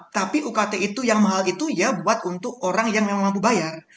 tapi ukt itu yang mahal itu ya buat untuk orang yang memang mampu bayar